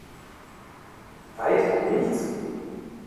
Weiter nichts?